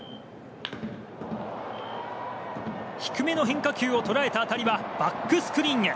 低めの変化球を捉えた当たりはバックスクリーンへ。